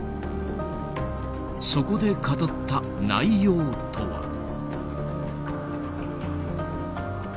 そこで語った内容とは。